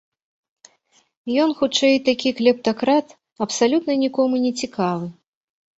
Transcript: Ён, хутчэй, такі клептакрат, абсалютна нікому не цікавы.